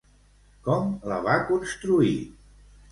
Com la va construir?